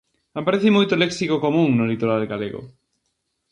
Aparece moito léxico común no litoral galego.